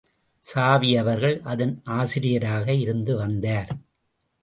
சாவி அவர்கள் அதன் ஆசிரியராக இருந்து வந்தார்.